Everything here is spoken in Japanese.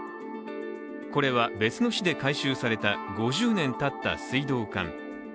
これは別の市で回収された５０年たった水道管。